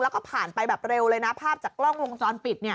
แล้วก็ผ่านไปแบบเร็วเลยนะภาพจากกล้องวงจรปิด